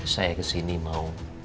saya kesini mau